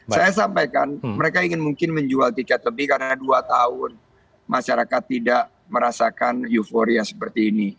saya sampaikan mereka ingin mungkin menjual tiket lebih karena dua tahun masyarakat tidak merasakan euforia seperti ini